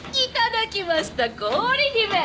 いただきました氷姫。